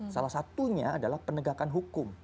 salah satunya adalah penegakan hukum